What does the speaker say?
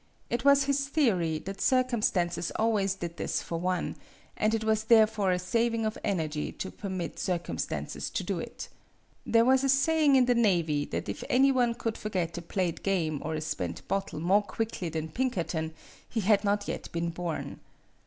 It was his theory that circumstances always did this for one; it was therefore a saving of energy to permit circumstances to do it. There was a saying in the navy that if any one could forget a played game or a spent bottle more quickly than Pinkerton, he had not yet been born.